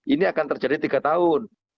ini akan terjadi tiga tahun